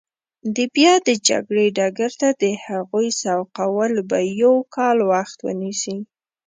د بیا د جګړې ډګر ته د هغوی سوقول به یو کال وخت ونیسي.